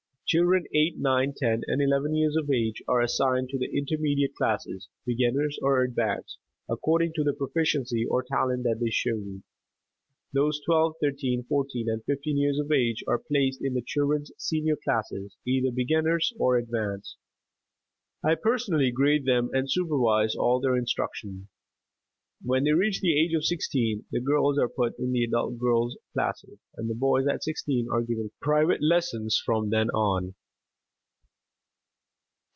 Children eight, nine, ten and eleven years of age are assigned to the intermediate classes, beginners or advanced, according to the proficiency or talent that they show me. Those twelve, thirteen, fourteen and fifteen years of age are placed in the Children's Senior Classes, either beginners or advanced. I, personally, grade them and supervise all of their instruction. When they reach the age of sixteen, the girls are put in the adult girls' classes and the boys at sixteen are given private lessons from then on.